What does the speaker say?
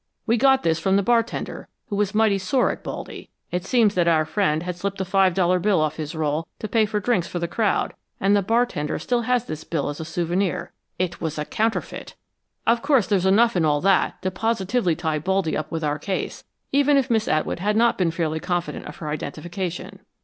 We got this from the bartender, who was mighty sore at 'Baldy.' It seems that our friend had slipped a five dollar bill off his roll to pay for drinks for the crowd, and the bartender still has this bill as a souvenir. IT WAS A COUNTERFEIT. Of course, there's enough in all that to positively tie 'Baldy' up with our case, even if Miss Atwood had not been fairly confident of her identification."